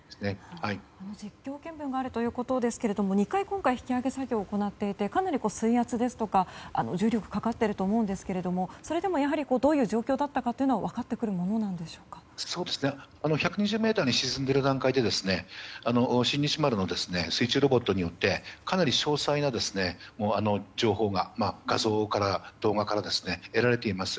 実況見分があるということですが今回、２回引き揚げ作業を行っていてかなり水圧ですとか、重力がかかっていると思いますがそれでもどういう状況だったかというのは１２０ｍに沈んでいる段階で「新日丸」の水中ロボットによってかなり詳細な情報が画像から動画から得られています。